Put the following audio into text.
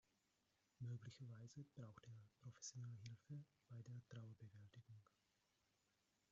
Möglicherweise braucht er professionelle Hilfe bei der Trauerbewältigung.